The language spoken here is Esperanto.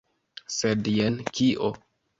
Sed jen kio!